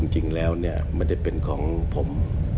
จริงแล้วไม่ได้เป็นของผม